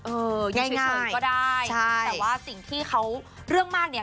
อยู่เฉยก็ได้แต่ว่าสิ่งที่เขาเรื่องมากเนี่ย